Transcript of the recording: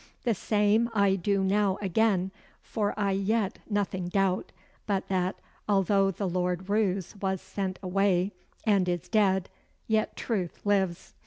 The same I do now again, for I yet nothing doubt, but that, although the Lord Roos was sent away, and is dead, yet truth lives."